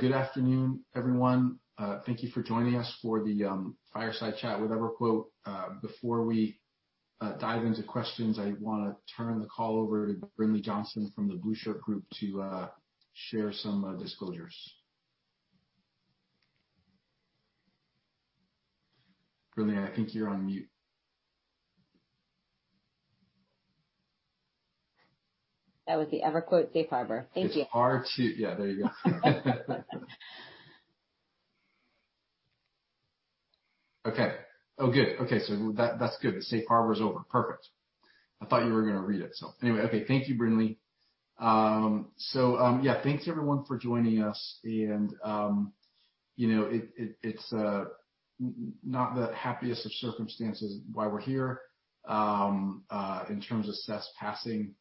Good afternoon, everyone. Thank you for joining us for the Fireside Chat with EverQuote. Before we dive into questions, I want to turn the call over to Brinlea Johnson from The Blueshirt Group to share some disclosures. Brinlea, I think you're on mute. That was the EverQuote safe harbor. Thank you. It's hard to Yeah, there you go. Okay. Oh, good. Okay. That's good. The safe harbor is over. Perfect. I thought you were going to read it. Anyway. Okay. Thank you, Brinlea. Yeah, thanks everyone for joining us, and it's not the happiest of circumstances why we're here in terms of Seth's passing.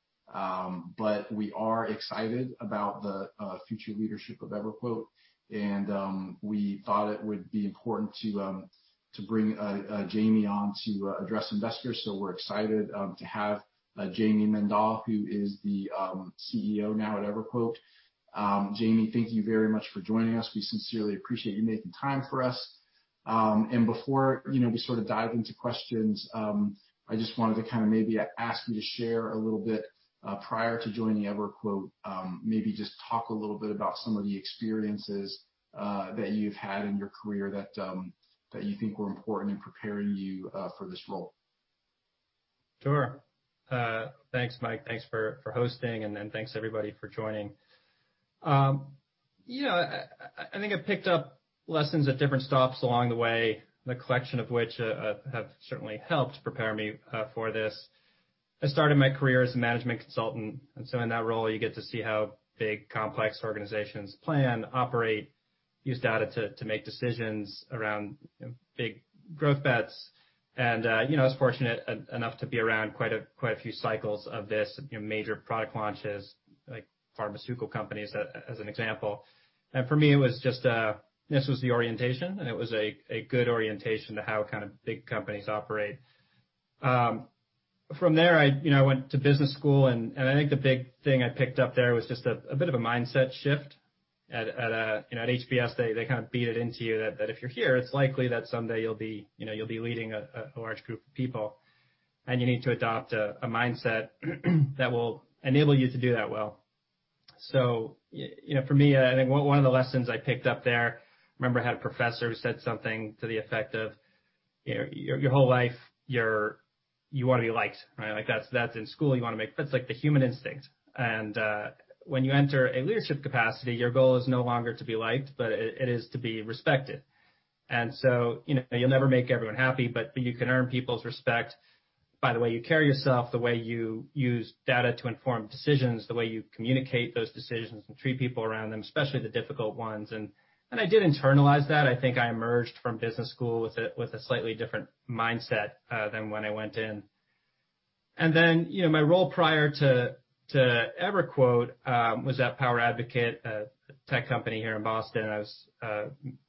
We are excited about the future leadership of EverQuote, and we thought it would be important to bring Jayme on to address investors. We're excited to have Jayme Mendal, who is the CEO now at EverQuote. Jayme, thank you very much for joining us. We sincerely appreciate you making time for us. Before we sort of dive into questions, I just wanted to kind of maybe ask you to share a little bit, prior to joining EverQuote, maybe just talk a little bit about some of the experiences that you've had in your career that you think were important in preparing you for this role? Sure. Thanks, Mike. Thanks for hosting. Thanks, everybody, for joining. I think I've picked up lessons at different stops along the way, the collection of which have certainly helped prepare me for this. I started my career as a management consultant. In that role, you get to see how big, complex organizations plan, operate, use data to make decisions around big growth bets. I was fortunate enough to be around quite a few cycles of this, major product launches, like pharmaceutical companies as an example. For me, this was the orientation. It was a good orientation to how kind of big companies operate. From there, I went to business school. I think the big thing I picked up there was just a bit of a mindset shift. At HBS, they kind of beat it into you that if you're here, it's likely that someday you'll be leading a large group of people, and you need to adopt a mindset that will enable you to do that well. For me, I think one of the lessons I picked up there, I remember I had a professor who said something to the effect of, your whole life, you want to be liked, right? That's in school, you want to make friends, like the human instinct. When you enter a leadership capacity, your goal is no longer to be liked, but it is to be respected. You'll never make everyone happy, but you can earn people's respect by the way you carry yourself, the way you use data to inform decisions, the way you communicate those decisions and treat people around them, especially the difficult ones. I did internalize that. I think I emerged from business school with a slightly different mindset than when I went in. My role prior to EverQuote was at PowerAdvocate, a tech company here in Boston. I was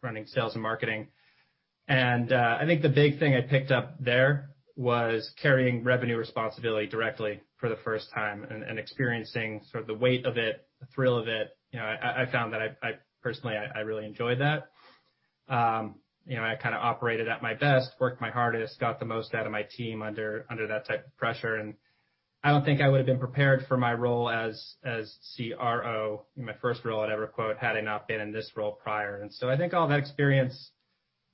running sales and marketing. I think the big thing I picked up there was carrying revenue responsibility directly for the first time and experiencing sort of the weight of it, the thrill of it. I found that personally I really enjoyed that. I kind of operated at my best, worked my hardest, got the most out of my team under that type of pressure, I don't think I would've been prepared for my role as CRO in my first role at EverQuote, had I not been in this role prior. I think all that experience,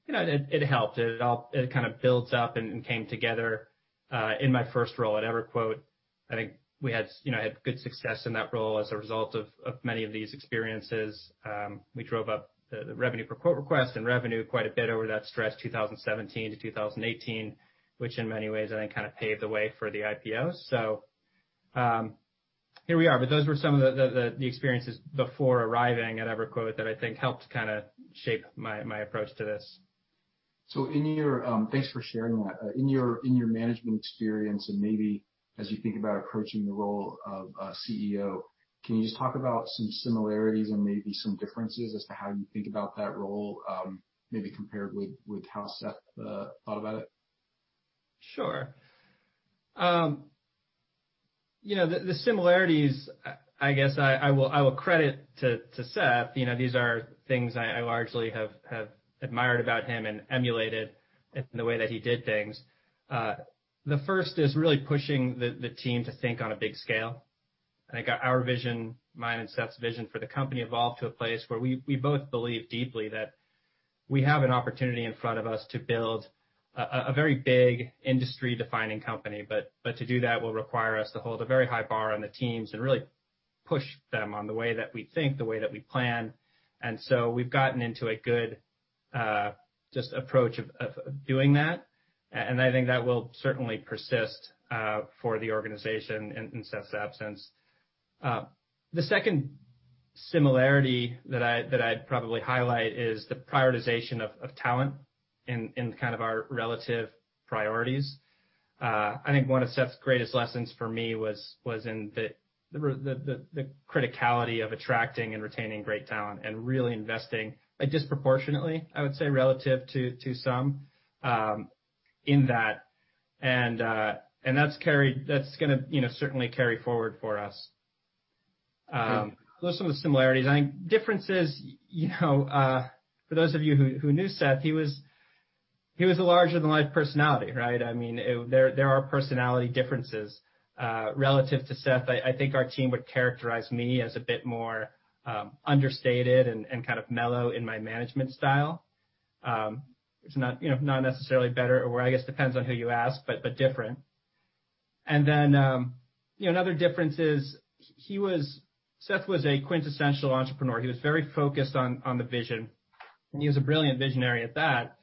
it helped. It kind of builds up and came together in my first role at EverQuote. I think I had good success in that role as a result of many of these experiences. We drove up the revenue per quote request and revenue quite a bit over that stretch, 2017 to 2018, which in many ways I think kind of paved the way for the IPO. Here we are. Those were some of the experiences before arriving at EverQuote that I think helped kind of shape my approach to this. Thanks for sharing that. In your management experience, and maybe as you think about approaching the role of CEO, can you just talk about some similarities and maybe some differences as to how you think about that role, maybe compared with how Seth thought about it? Sure. The similarities, I guess I will credit to Seth. These are things I largely have admired about him and emulated in the way that he did things. The first is really pushing the team to think on a big scale. I think our vision, mine and Seth's vision for the company, evolved to a place where we both believe deeply that we have an opportunity in front of us to build a very big industry-defining company. To do that will require us to hold a very high bar on the teams and really push them on the way that we think, the way that we plan. We've gotten into a good just approach of doing that. I think that will certainly persist for the organization in Seth's absence. The second similarity that I'd probably highlight is the prioritization of talent in kind of our relative priorities. I think one of Seth's greatest lessons for me was in the criticality of attracting and retaining great talent and really investing disproportionately, I would say, relative to some in that. That's going to certainly carry forward for us. Those are some of the similarities. I think differences, for those of you who knew Seth, he was a larger than life personality, right? There are personality differences. Relative to Seth, I think our team would characterize me as a bit more understated and kind of mellow in my management style. It's not necessarily better or worse, I guess it depends on who you ask, but different. Another difference is Seth was a quintessential entrepreneur. He was very focused on the vision, and he was a brilliant visionary at that.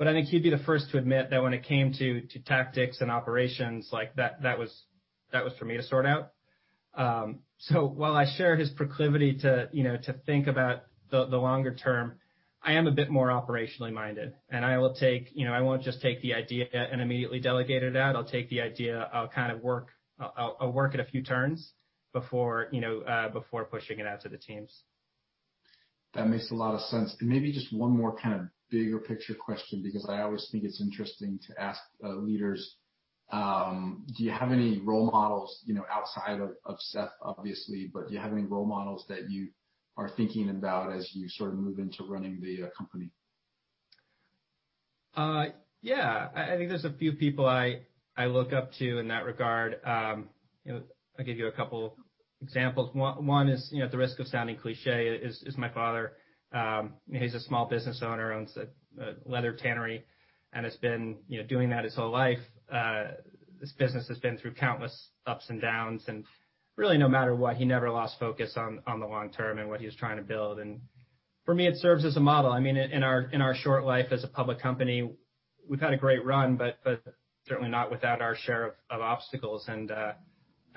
I think he'd be the first to admit that when it came to tactics and operations, that was for me to sort out. While I share his proclivity to think about the longer term, I am a bit more operationally minded, and I won't just take the idea and immediately delegate it out. I'll take the idea, I'll work it a few turns before pushing it out to the teams. That makes a lot of sense. Maybe just one more kind of bigger picture question, because I always think it's interesting to ask leaders, do you have any role models outside of Seth, obviously, but do you have any role models that you are thinking about as you sort of move into running the company? Yeah. I think there's a few people I look up to in that regard. I'll give you a couple examples. One is, at the risk of sounding cliché, is my father. He's a small business owner, owns a leather tannery, and has been doing that his whole life. His business has been through countless ups and downs, and really no matter what, he never lost focus on the long term and what he was trying to build. For me, it serves as a model. In our short life as a public company, we've had a great run, but certainly not without our share of obstacles. I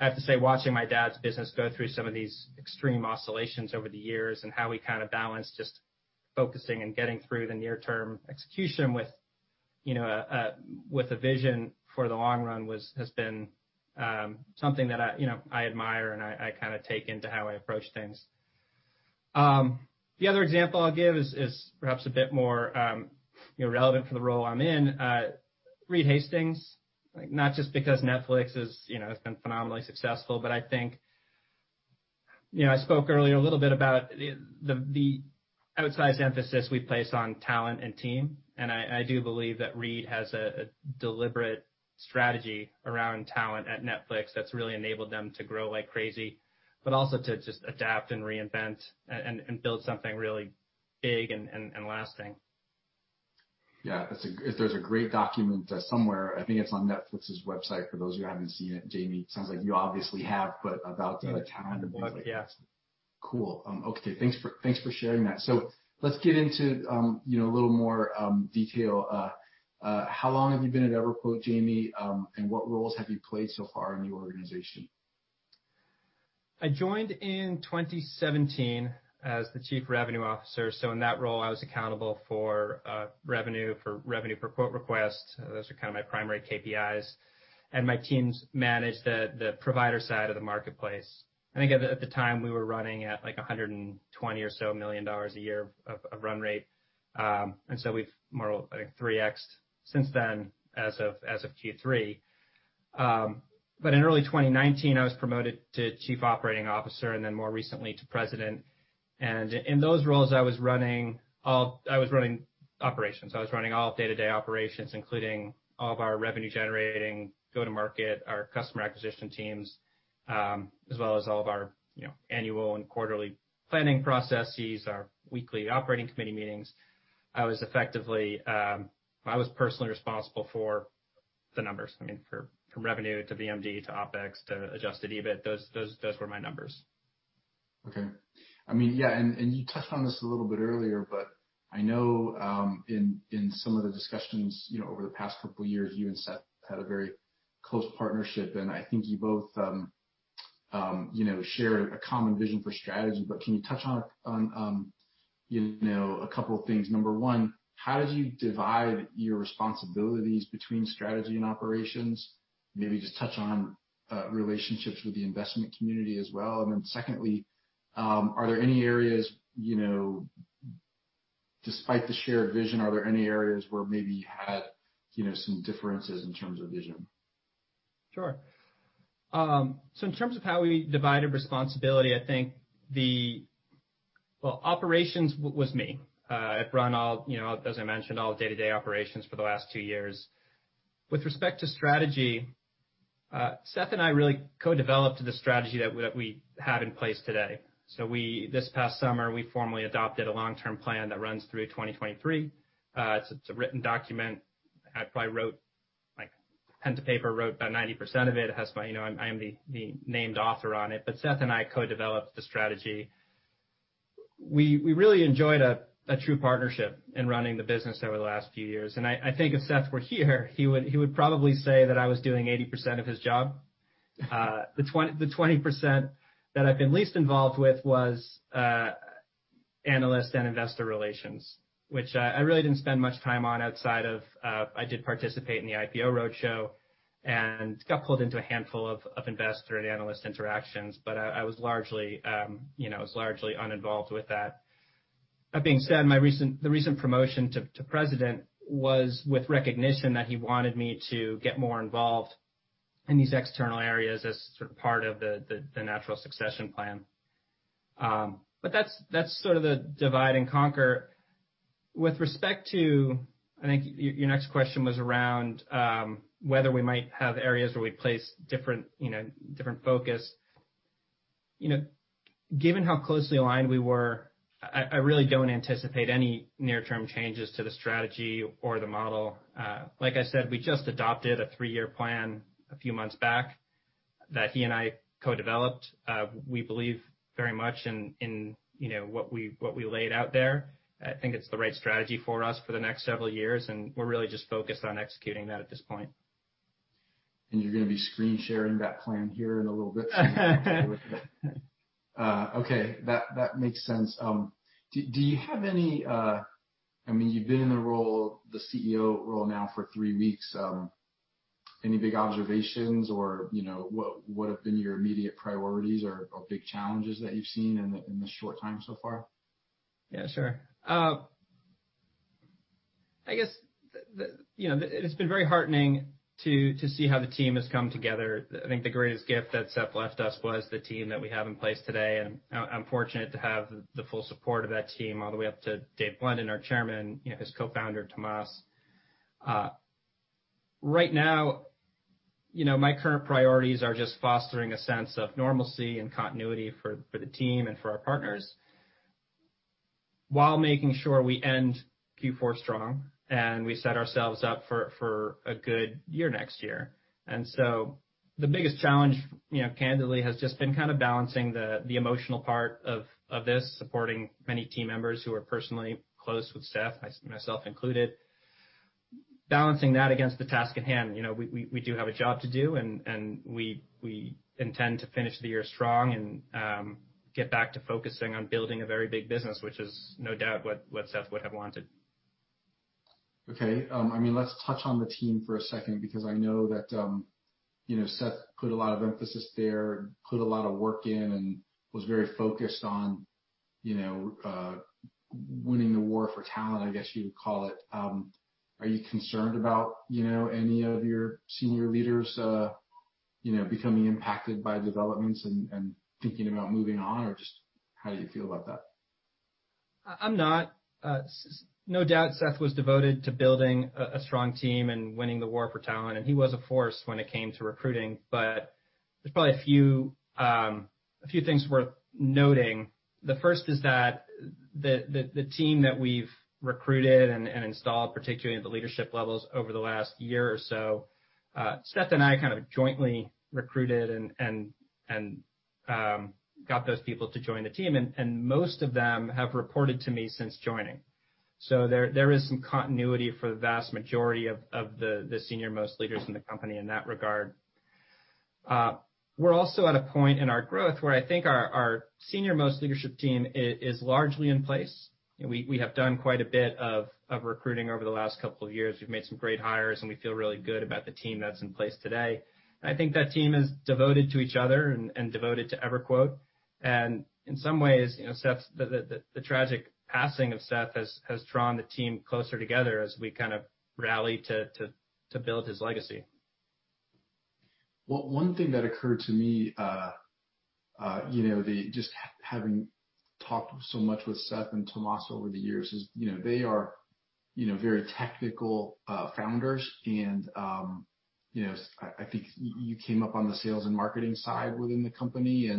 have to say, watching my dad's business go through some of these extreme oscillations over the years and how he kind of balanced just focusing and getting through the near-term execution with a vision for the long run has been something that I admire and I take into how I approach things. The other example I'll give is perhaps a bit more relevant for the role I'm in. Reed Hastings, not just because Netflix has been phenomenally successful, but I think I spoke earlier a little bit about the outsized emphasis we place on talent and team, and I do believe that Reed has a deliberate strategy around talent at Netflix that's really enabled them to grow like crazy, but also to just adapt and reinvent and build something really big and lasting. Yeah. There's a great document somewhere, I think it's on Netflix's website, for those of you who haven't seen it. Jayme, sounds like you obviously have, but about the talent. Yeah. Cool. Okay. Thanks for sharing that. Let's get into a little more detail. How long have you been at EverQuote, Jayme? What roles have you played so far in the organization? I joined in 2017 as the Chief Revenue Officer. In that role, I was accountable for revenue per quote request. Those are kind of my primary KPIs. My teams managed the provider side of the marketplace. I think at the time, we were running at like $120 million or so a year of run rate. We've more, I think, 3x'd since then as of Q3. In early 2019, I was promoted to Chief Operating Officer and then more recently to President. In those roles, I was running operations. I was running all day-to-day operations, including all of our revenue generating, go-to-market, our customer acquisition teams, as well as all of our annual and quarterly planning processes, our weekly operating committee meetings. I was personally responsible for the numbers, from revenue to VMM, to OpEx, to adjusted EBIT. Those were my numbers. Okay. You touched on this a little bit earlier, but I know in some of the discussions over the past couple years, you and Seth had a very close partnership, and I think you both shared a common vision for strategy. Can you touch on a couple of things? Number one, how did you divide your responsibilities between strategy and operations? Maybe just touch on relationships with the investment community as well. Secondly, despite the shared vision, are there any areas where maybe you had some differences in terms of vision? Sure. In terms of how we divided responsibility, well, operations was me. I've run, as I mentioned, all day-to-day operations for the last two years. With respect to strategy, Seth and I really co-developed the strategy that we have in place today. This past summer, we formally adopted a long-term plan that runs through 2023. It's a written document. I pen to paper wrote about 90% of it. I am the named author on it, but Seth and I co-developed the strategy. We really enjoyed a true partnership in running the business over the last few years, and I think if Seth were here, he would probably say that I was doing 80% of his job. The 20% that I've been least involved with was analyst and investor relations, which I really didn't spend much time on outside of I did participate in the IPO roadshow and got pulled into a handful of investor and analyst interactions, but I was largely uninvolved with that. That being said, the recent promotion to president was with recognition that he wanted me to get more involved in these external areas as sort of part of the natural succession plan. That's sort of the divide and conquer. With respect to, I think your next question was around whether we might have areas where we place different focus. Given how closely aligned we were, I really don't anticipate any near-term changes to the strategy or the model. Like I said, we just adopted a three-year plan a few months back that he and I co-developed. We believe very much in what we laid out there. I think it's the right strategy for us for the next several years. We're really just focused on executing that at this point. You're going to be screen-sharing that plan here in a little bit. Okay. That makes sense. You've been in the CEO role now for three weeks. Any big observations or what have been your immediate priorities or big challenges that you've seen in this short time so far? Yeah, sure. I guess it's been very heartening to see how the team has come together. I think the greatest gift that Seth left us was the team that we have in place today. I'm fortunate to have the full support of that team all the way up to Dave Blundin, our chairman, his co-founder, Tomas. Right now, my current priorities are just fostering a sense of normalcy and continuity for the team and for our partners, while making sure we end Q4 strong and we set ourselves up for a good year next year. The biggest challenge, candidly, has just been kind of balancing the emotional part of this, supporting many team members who are personally close with Seth, myself included, balancing that against the task at hand. We do have a job to do, and we intend to finish the year strong and get back to focusing on building a very big business, which is no doubt what Seth would have wanted. Let's touch on the team for a second, because I know that Seth put a lot of emphasis there and put a lot of work in and was very focused on winning the war for talent, I guess you would call it. Are you concerned about any of your senior leaders becoming impacted by developments and thinking about moving on, or just how do you feel about that? I'm not. No doubt Seth was devoted to building a strong team and winning the war for talent, and he was a force when it came to recruiting. There's probably a few things worth noting. The first is that the team that we've recruited and installed, particularly at the leadership levels over the last year or so, Seth and I kind of jointly recruited and got those people to join the team, and most of them have reported to me since joining. There is some continuity for the vast majority of the senior-most leaders in the company in that regard. We're also at a point in our growth where I think our senior-most leadership team is largely in place. We have done quite a bit of recruiting over the last couple of years. We've made some great hires, and we feel really good about the team that's in place today. I think that team is devoted to each other and devoted to EverQuote. In some ways, the tragic passing of Seth has drawn the team closer together as we kind of rally to build his legacy. Well, one thing that occurred to me, just having talked so much with Seth and Tomas over the years is, they are very technical founders, and I think you came up on the sales and marketing side within the company.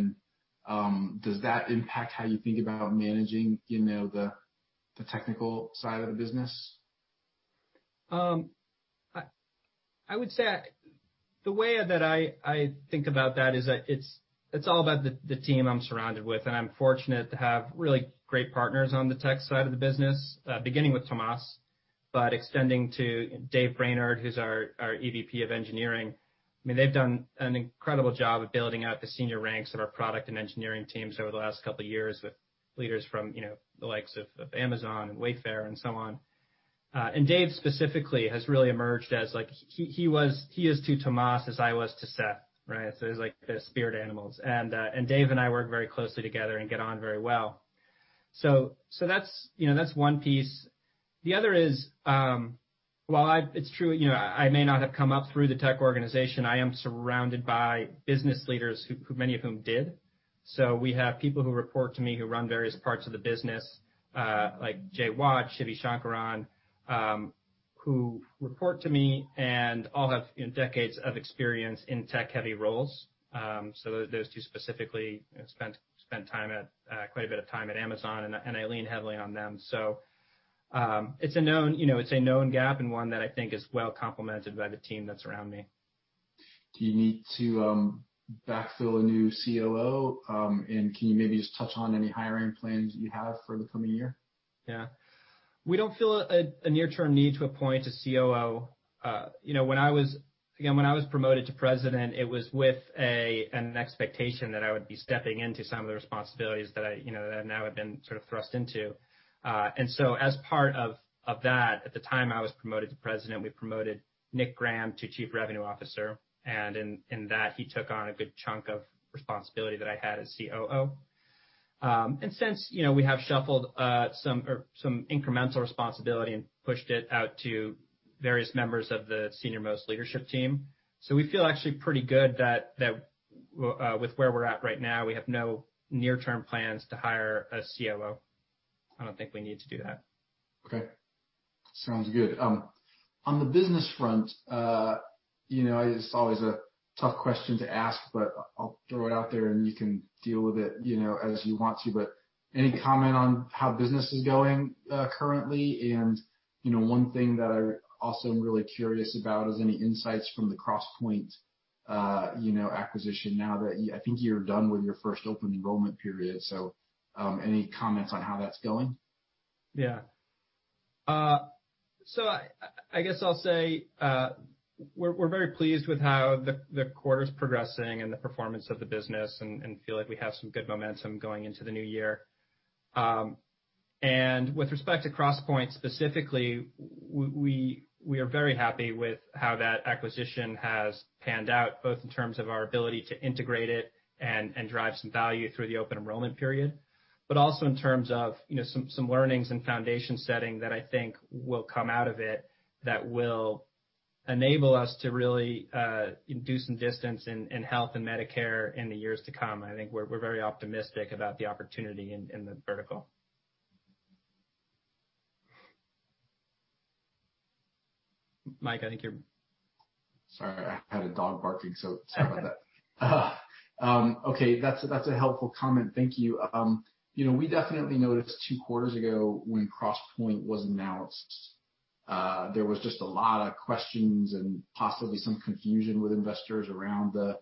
Does that impact how you think about managing the technical side of the business? I would say the way that I think about that is that it's all about the team I'm surrounded with, and I'm fortunate to have really great partners on the tech side of the business, beginning with Tomas, but extending to Dave Brainard, who's our EVP of Engineering. They've done an incredible job of building out the senior ranks of our product and engineering teams over the last couple of years with leaders from the likes of Amazon and Wayfair and so on. Dave specifically has really emerged as like he is to Tomas as I was to Seth, right? So it's like they're spirit animals. Dave and I work very closely together and get on very well. So, that's one piece. The other is, while it's true I may not have come up through the tech organization, I am surrounded by business leaders, many of whom did. We have people who report to me who run various parts of the business, like Jay Watt, Shivi Shankaran, who report to me and all have decades of experience in tech-heavy roles. Those two specifically spent quite a bit of time at Amazon, and I lean heavily on them. It's a known gap and one that I think is well complemented by the team that's around me. Do you need to backfill a new COO? Can you maybe just touch on any hiring plans you have for the coming year? Yeah. We don't feel a near-term need to appoint a COO. When I was promoted to President, it was with an expectation that I would be stepping into some of the responsibilities that I now have been sort of thrust into. As part of that, at the time I was promoted to President, we promoted Nick Graham to Chief Revenue Officer, and in that, he took on a good chunk of responsibility that I had as COO. Since we have shuffled some incremental responsibility and pushed it out to various members of the senior-most leadership team. We feel actually pretty good that with where we're at right now, we have no near-term plans to hire a COO. I don't think we need to do that. Okay. Sounds good. On the business front, it's always a tough question to ask, but I'll throw it out there, and you can deal with it as you want to, but any comment on how business is going currently? One thing that I also am really curious about is any insights from the Crosspointe acquisition now that I think you're done with your first open enrollment period. Any comments on how that's going? I guess I'll say we're very pleased with how the quarter's progressing and the performance of the business and feel like we have some good momentum going into the new year. With respect to Crosspointe specifically, we are very happy with how that acquisition has panned out, both in terms of our ability to integrate it and drive some value through the open enrollment period, but also in terms of some learnings and foundation setting that I think will come out of it that will enable us to really do some distance in health and Medicare in the years to come. I think we're very optimistic about the opportunity in the vertical. Mike. Sorry, I had a dog barking, so sorry about that. Okay. That's a helpful comment. Thank you. We definitely noticed two quarters ago when Crosspointe was announced. There was just a lot of questions and possibly some confusion with investors around the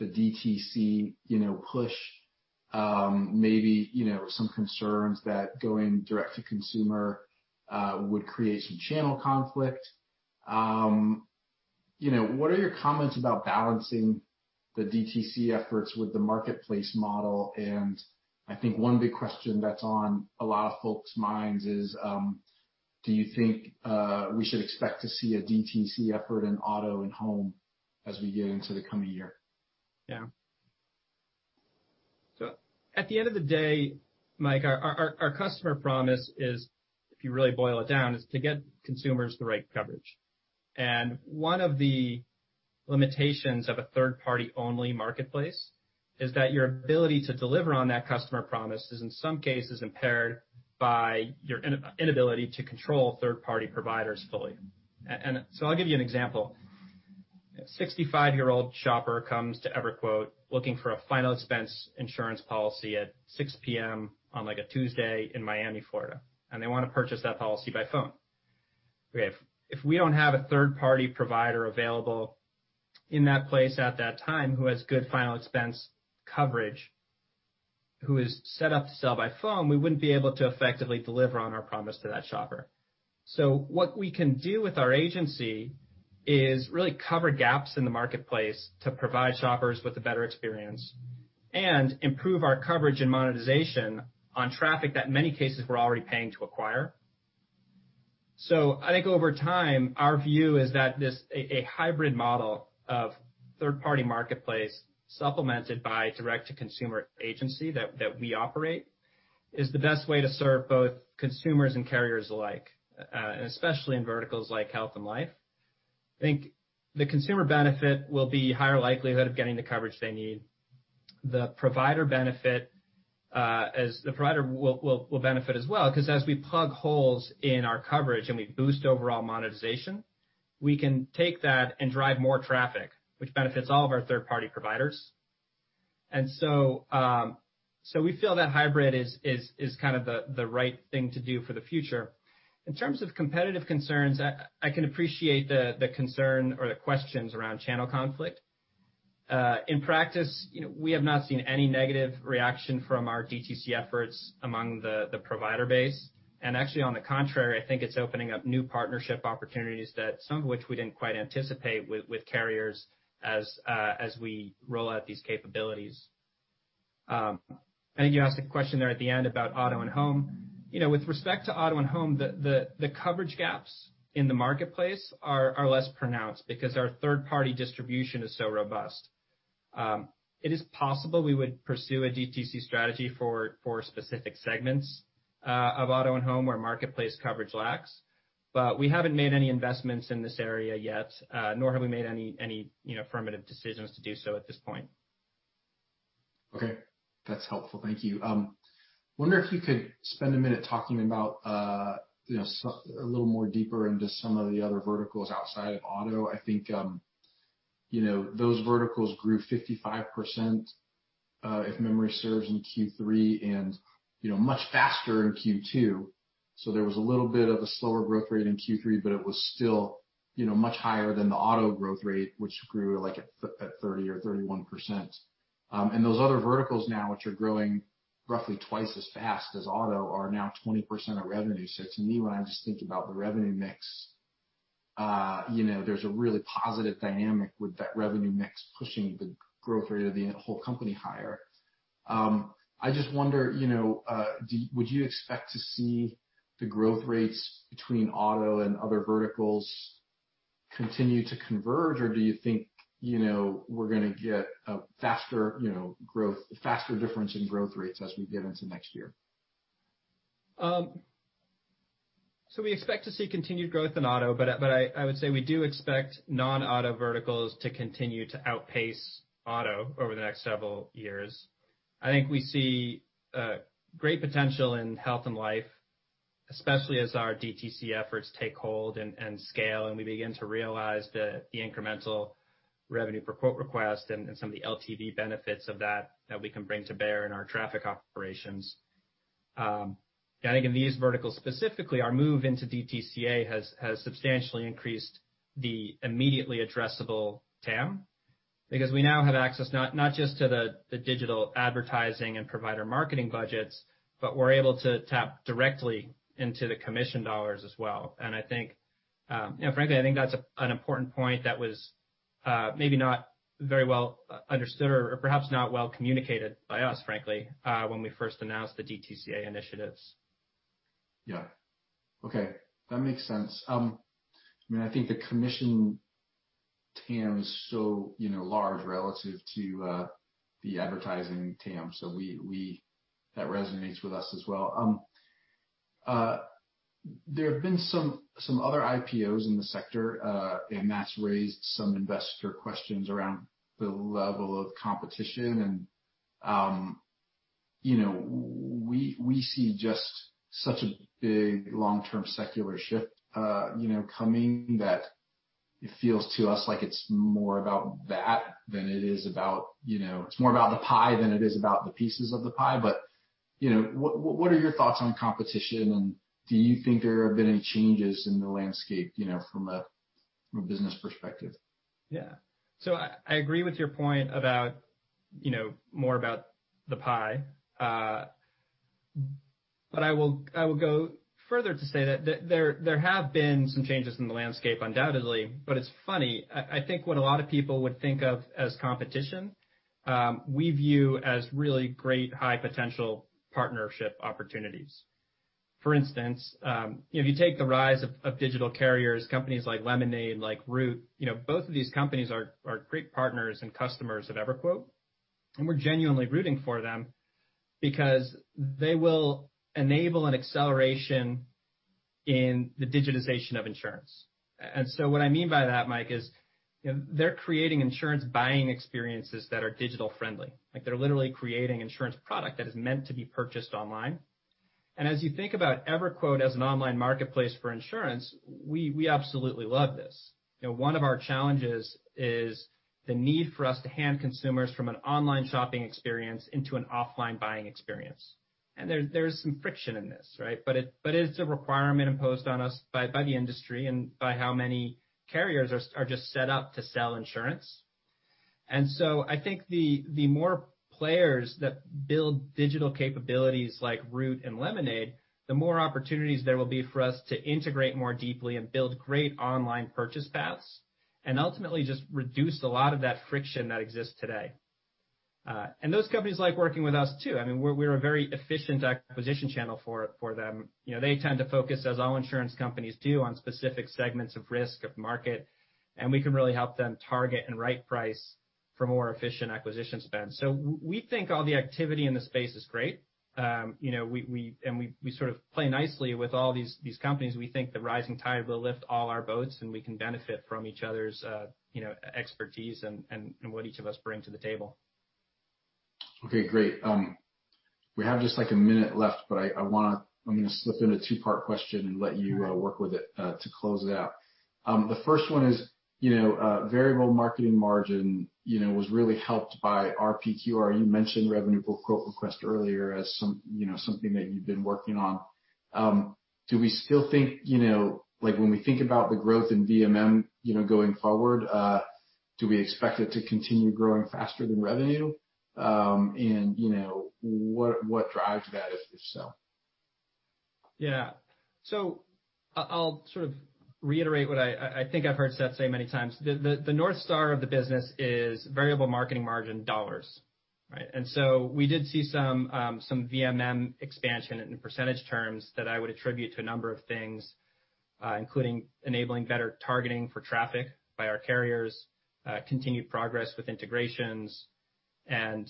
DTC push. Maybe some concerns that going direct to consumer would create some channel conflict. What are your comments about balancing the DTC efforts with the marketplace model? I think one big question that's on a lot of folks' minds is, do you think we should expect to see a DTC effort in auto and home as we get into the coming year? At the end of the day, Mike, our customer promise is, if you really boil it down, is to get consumers the right coverage. One of the limitations of a third-party only marketplace is that your ability to deliver on that customer promise is, in some cases, impaired by your inability to control third-party providers fully. I'll give you an example. A 65-year-old shopper comes to EverQuote looking for a final expense insurance policy at 6:00 P.M. on a Tuesday in Miami, Florida, and they want to purchase that policy by phone. If we don't have a third-party provider available in that place at that time who has good final expense coverage, who is set up to sell by phone, we wouldn't be able to effectively deliver on our promise to that shopper. What we can do with our agency is really cover gaps in the marketplace to provide shoppers with a better experience and improve our coverage and monetization on traffic that, in many cases, we're already paying to acquire. I think over time, our view is that a hybrid model of third-party marketplace, supplemented by direct-to-consumer agency that we operate, is the best way to serve both consumers and carriers alike, especially in verticals like health and life. I think the consumer benefit will be higher likelihood of getting the coverage they need. The provider will benefit as well, because as we plug holes in our coverage and we boost overall monetization, we can take that and drive more traffic, which benefits all of our third-party providers. We feel that hybrid is kind of the right thing to do for the future. In terms of competitive concerns, I can appreciate the concern or the questions around channel conflict. In practice, we have not seen any negative reaction from our DTC efforts among the provider base. Actually, on the contrary, I think it's opening up new partnership opportunities that some of which we didn't quite anticipate with carriers as we roll out these capabilities. I think you asked a question there at the end about auto and home. With respect to auto and home, the coverage gaps in the marketplace are less pronounced because our third-party distribution is so robust. It is possible we would pursue a DTC strategy for specific segments of auto and home where marketplace coverage lacks. We haven't made any investments in this area yet, nor have we made any affirmative decisions to do so at this point. Okay. That's helpful. Thank you. Wonder if you could spend a minute talking about a little more deeper into some of the other verticals outside of auto. I think those verticals grew 55%, if memory serves, in Q3. Much faster in Q2. There was a little bit of a slower growth rate in Q3, but it was still much higher than the auto growth rate, which grew at 30% or 31%. Those other verticals now, which are growing roughly twice as fast as auto, are now 20% of revenue. To me, when I'm just thinking about the revenue mix, there's a really positive dynamic with that revenue mix pushing the growth rate of the whole company higher. I just wonder, would you expect to see the growth rates between auto and other verticals continue to converge, or do you think we're going to get a faster difference in growth rates as we get into next year? We expect to see continued growth in auto, but I would say we do expect non-auto verticals to continue to outpace auto over the next several years. I think we see great potential in health and life, especially as our DTC efforts take hold and scale, and we begin to realize the incremental revenue per quote request and some of the LTV benefits of that we can bring to bear in our traffic operations. Again, these verticals, specifically our move into DTCA has substantially increased the immediately addressable TAM because we now have access, not just to the digital advertising and provider marketing budgets, but we're able to tap directly into the commission dollars as well. Frankly, I think that's an important point that was maybe not very well understood or perhaps not well communicated by us, frankly, when we first announced the DTCA initiatives. Yeah. Okay. That makes sense. I think the commission TAM is so large relative to the advertising TAM, that resonates with us as well. There have been some other IPOs in the sector, that's raised some investor questions around the level of competition and we see just such a big long-term secular shift coming that it feels to us like it's more about that than It's more about the pie than it is about the pieces of the pie. What are your thoughts on competition, and do you think there have been any changes in the landscape from a business perspective? Yeah. I agree with your point more about the pie. I will go further to say that there have been some changes in the landscape, undoubtedly, but it's funny. I think what a lot of people would think of as competition, we view as really great high potential partnership opportunities. For instance, if you take the rise of digital carriers, companies like Lemonade, like Root, both of these companies are great partners and customers of EverQuote, and we're genuinely rooting for them because they will enable an acceleration in the digitization of insurance. What I mean by that, Mike, is they're creating insurance buying experiences that are digital friendly. They're literally creating insurance product that is meant to be purchased online. As you think about EverQuote as an online marketplace for insurance, we absolutely love this. One of our challenges is the need for us to hand consumers from an online shopping experience into an offline buying experience. There's some friction in this, right? It's a requirement imposed on us by the industry and by how many carriers are just set up to sell insurance. I think the more players that build digital capabilities like Root and Lemonade, the more opportunities there will be for us to integrate more deeply and build great online purchase paths, and ultimately just reduce a lot of that friction that exists today. Those companies like working with us too. We're a very efficient acquisition channel for them. They tend to focus, as all insurance companies do, on specific segments of risk, of market, and we can really help them target and right price for more efficient acquisition spend. We think all the activity in the space is great. We sort of play nicely with all these companies. We think the rising tide will lift all our boats, and we can benefit from each other's expertise and what each of us bring to the table. Okay, great. We have just a minute left, but I'm going to slip in a two-part question and let you work with it to close it out. The first one is Variable Marketing Margin was really helped by RPQR. You mentioned revenue per quote request earlier as something that you've been working on. Do we still think, when we think about the growth in VMM going forward, do we expect it to continue growing faster than revenue? What drives that, if so? Yeah. I'll sort of reiterate what I think I've heard Seth say many times. The north star of the business is variable marketing margin dollars, right? We did see some VMM expansion in percentage terms that I would attribute to a number of things including enabling better targeting for traffic by our carriers, continued progress with integrations, and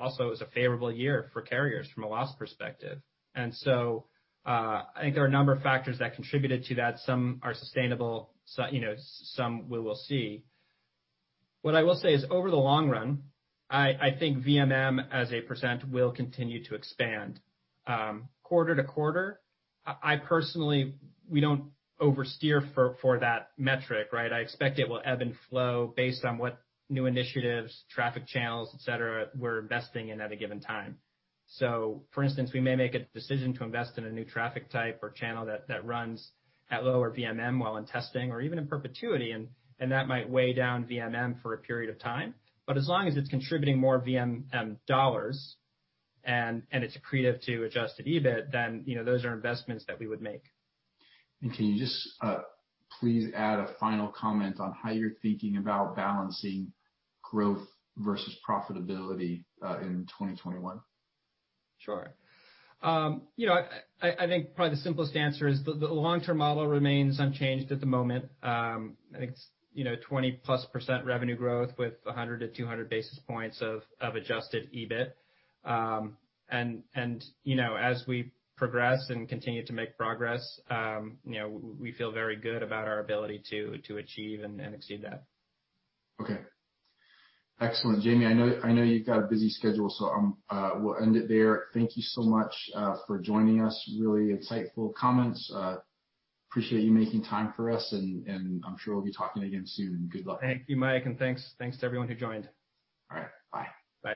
also it was a favorable year for carriers from a loss perspective. I think there are a number of factors that contributed to that. Some are sustainable, some we will see. What I will say is over the long run, I think VMM as a percent will continue to expand. Quarter to quarter, we don't oversteer for that metric, right? I expect it will ebb and flow based on what new initiatives, traffic channels, et cetera, we're investing in at a given time. For instance, we may make a decision to invest in a new traffic type or channel that runs at lower VMM while in testing or even in perpetuity, and that might weigh down VMM for a period of time. As long as it's contributing more VMM dollars and it's accretive to adjusted EBIT, then those are investments that we would make. Can you just please add a final comment on how you're thinking about balancing growth versus profitability in 2021? Sure. I think probably the simplest answer is the long-term model remains unchanged at the moment. I think it's 20+% revenue growth with 100-200 basis points of adjusted EBIT. As we progress and continue to make progress, we feel very good about our ability to achieve and exceed that. Okay. Excellent. Jayme, I know you've got a busy schedule, so we'll end it there. Thank you so much for joining us. Really insightful comments. Appreciate you making time for us, and I'm sure we'll be talking again soon. Good luck. Thank you, Mike, and thanks to everyone who joined. All right. Bye. Bye.